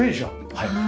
はい。